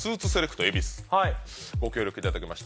ご協力いただきました。